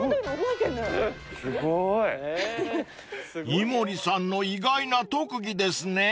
［井森さんの意外な特技ですね］